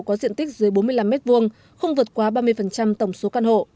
có diện tích dưới bốn mươi năm m hai không vượt quá ba mươi tổng số căn hộ